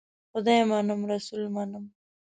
خدای منم ، رسول منم .